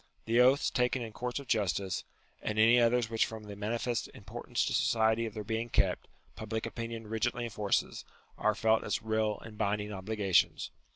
The oaths taken in courts of justice, and any others which from the manifest importance to society of their being kept, public opinion rigidly enforces, are felt as real and binding obligations.